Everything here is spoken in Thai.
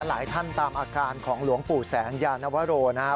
หลายท่านตามอาการของหลวงปู่แสงยานวโรนะครับ